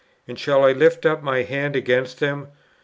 and shall I lift up my hand against them?